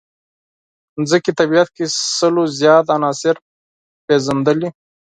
ځمکې طبیعت کې سلو زیات عناصر پېژندلي.